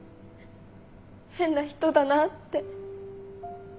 変な人だなって。